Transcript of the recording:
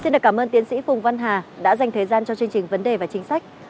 xin cảm ơn tiến sĩ phùng văn hà đã dành thời gian cho chương trình vấn đề và chính sách